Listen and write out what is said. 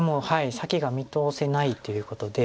先が見通せないということで。